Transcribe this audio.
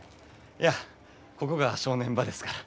いやここが正念場ですから。